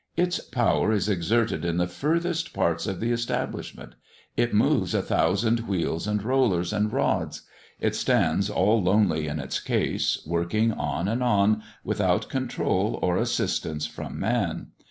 Its power is exerted in the furthest parts of the establishment; it moves a thousand wheels, and rollers, and rods; it stands all lonely in its case, working on and on, without control or assistance from man.